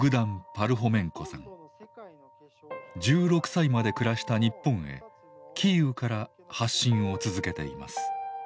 １６歳まで暮らした日本へキーウから発信を続けています。